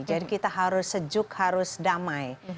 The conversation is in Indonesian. jadi kita harus sejuk harus damai